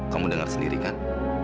kamu dengar sendiri kan